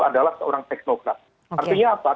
adalah seorang teknokrat artinya apa